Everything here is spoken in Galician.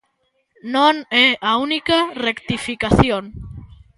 Non é a única rectificación.